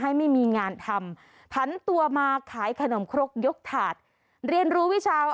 ไม่มีงานทำผันตัวมาขายขนมครกยกถาดเรียนรู้วิชา